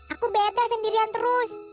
aku beda sendirian terus